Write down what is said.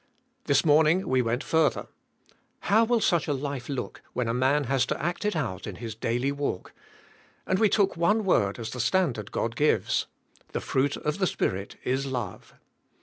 This morning we went further. How will such a life look when a man has to act it out in his daily walk, and we took one word as the standard God gives: "The fruit of the Spirit is love."